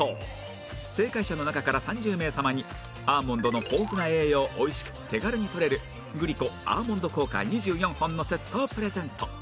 正解者の中から３０名様にアーモンドの豊富な栄養を美味しく手軽にとれるグリコアーモンド効果２４本のセットをプレゼント